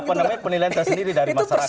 apa namanya penilaian tersendiri dari masyarakat